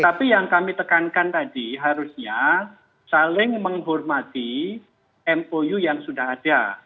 tapi yang kami tekankan tadi harusnya saling menghormati mou yang sudah ada